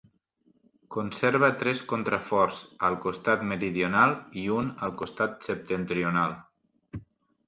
Conserva tres contraforts al costat meridional i un al costat septentrional.